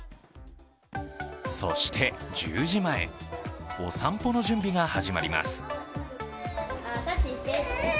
そして１０時前、お散歩の準備が始まります。